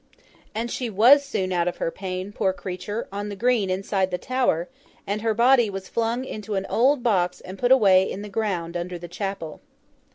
And she was soon out of her pain, poor creature, on the Green inside the Tower, and her body was flung into an old box and put away in the ground under the chapel.